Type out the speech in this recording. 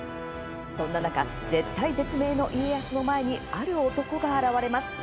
そんな中、絶体絶命の家康の前にある男が現れます。